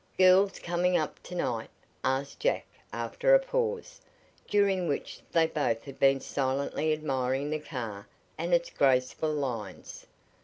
"Girls coming up to night?" asked Jack after a pause, during which they both had been silently admiring the car and its graceful lines.